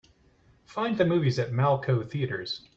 Find the movies at Malco Theatres.